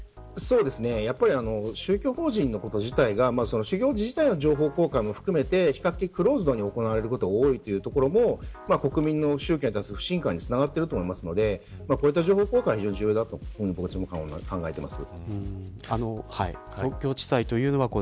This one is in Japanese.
宗教法人のこと自体が宗教法人自体の情報公開も含めて比較的クローズドに行われることが多いということも国民の宗教に対する不信感につながっていると思うので情報公開、非常に重要だと考えています。